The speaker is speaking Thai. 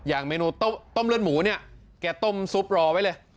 อย่างเมนูต้มเลือดหมูเนี่ยแกต้มซุปรอไว้เลย